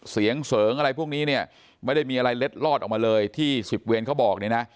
เสียงเสริงอะไรพวกนี้เนี่ยไม่ได้มีอะไรเล็ดลอดออกมาเลยที่สิบเวรเขาบอกเนี่ยนะ